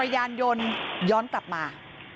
ย้อนกลับมา